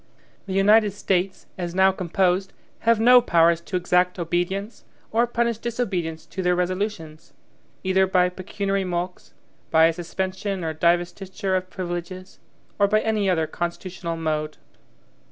The United States, as now composed, have no powers to exact obedience, or punish disobedience to their resolutions, either by pecuniary mulcts, by a suspension or divestiture of privileges, or by any other constitutional mode.